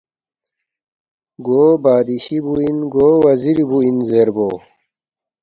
گو بادشی بُو اِن، گو وزیری بُو اِن زیربو